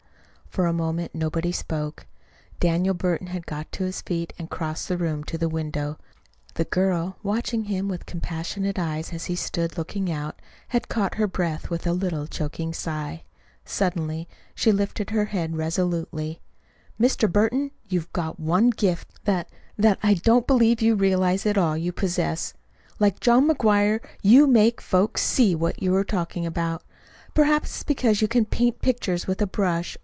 For a moment nobody spoke. Daniel Burton had got to his feet and crossed the room to the window. The girl, watching him with compassionate eyes as he stood looking out, had caught her breath with a little choking sigh. Suddenly she lifted her head resolutely. "Mr. Burton, you've got one gift that that I don't believe you realize at all that you possess. Like John McGuire you can make folks SEE what you are talking about. Perhaps it's because you can paint pictures with a brush.